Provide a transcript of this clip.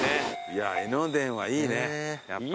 いやぁ江ノ電はいいねやっぱり。